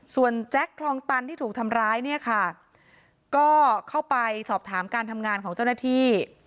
ส่วนแจ็คคลองตันที่ถูกทำร้ายเนี่ยค่ะก็เข้าไปสอบถามการทำงานของเจ้าหน้าที่